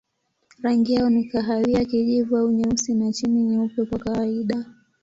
Rangi yao ni kahawia, kijivu au nyeusi na chini nyeupe kwa kawaida.